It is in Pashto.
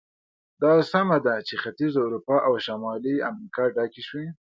دا سمه ده چې ختیځه اروپا او شمالي امریکا ډکې شوې.